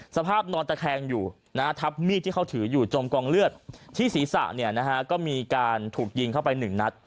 สภาพนอนแตะแค้งถับมีดที่เขาถือจมกล้องเลือดที่ศีรษะมีการถูกยิงเข้าไป๑นัท